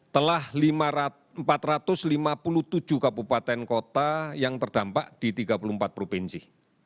telah empat ratus lima puluh tujuh kabupaten kota yang terdampak di tiga puluh empat provinsi